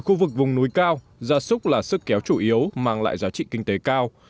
khu vực vùng núi cao gia súc là sức kéo chủ yếu mang lại giá trị kinh tế cao